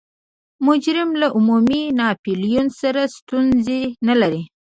مجرم له عمومي ناپلیون سره ستونزه نلري.